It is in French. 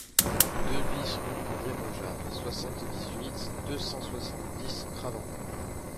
deux BIS rue André Mojard, soixante-dix-huit, deux cent soixante-dix, Cravent